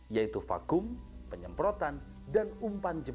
yaitu vakum penyemprotan dan umpan jemput